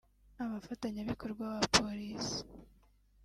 abafatanyabikorwa ba Polisi